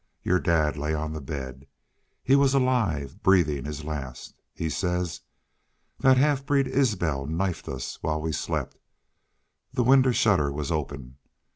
Your dad lay on the bed. He was alive, breathin' his last.... He says, 'That half breed Isbel knifed us while we slept!' ... The winder shutter was open.